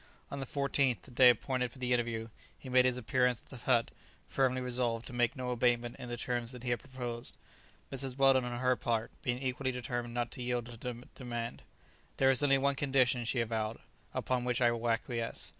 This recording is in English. On the 14th, the day appointed for the interview, he made his appearance at the hut, firmly resolved to make no abatement in the terms that he had proposed, Mrs. Weldon, on her part, being equally determined not to yield to the demand. "There is only one condition," she avowed, "upon which I will acquiesce.